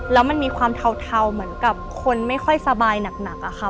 แล้วมันมีความเทาเหมือนกับคนไม่ค่อยสบายหนักอะค่ะ